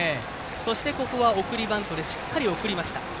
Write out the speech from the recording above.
そして、ここは送りバントでしっかり送りました。